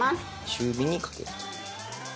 中火にかけると。